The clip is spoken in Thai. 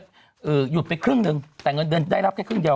หยุดไปครึ่งหนึ่งแต่เงินเดือนได้รับแค่ครึ่งเดียว